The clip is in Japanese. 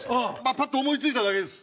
パッと思い付いただけです。